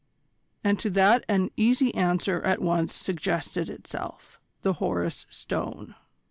and to that an easy answer at once suggested itself: The Horus Stone.